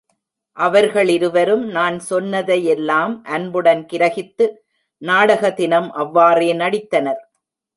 அவர்களிருவரும் நான் சொன்னதையெல்லாம் அன்புடன் கிரஹித்து நாடக தினம் அவ்வாறே நடித்தனர்.